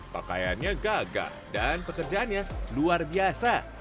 pakaiannya gagah dan pekerjaannya luar biasa